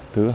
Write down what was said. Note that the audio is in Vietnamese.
thứ hai là